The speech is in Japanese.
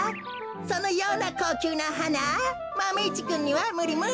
そのようなこうきゅうなはなマメ１くんにはむりむりですよ。